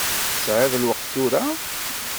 Tesεiḍ lweqt tura?